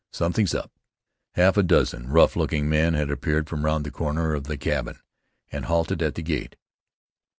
Something's up." Half a dozen rough looking men had appeared from round the corner of the cabin, and halted at the gate.